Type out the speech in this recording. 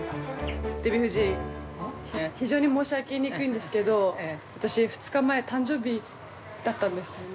デヴィ夫人、非常に申し上げにくいんですけど私２日前、誕生日だったんですよね。